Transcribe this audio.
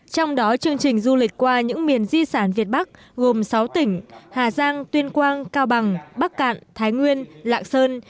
trong đó chương trình du lịch qua những miền di sản việt bắc gồm sáu tỉnh hà giang tuyên quang cao bằng bắc cạn thái nguyên lạng sơn